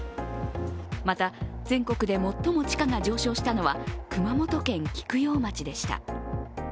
また、全国で最も地価が上昇したのは熊本県菊陽町でした。